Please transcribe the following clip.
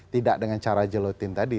tidak dengan cara jelutin tadi